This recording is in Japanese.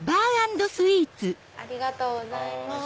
ありがとうございます。